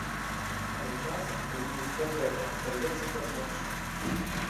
Але часам, калі ёсць патрэба, удаецца дапамагчы.